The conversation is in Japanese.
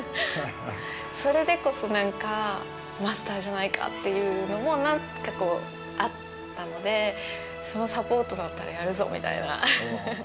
それでこそ何かマスターじゃないかっていうのも何かこうあったのでそのサポートだったらやるぞみたいな。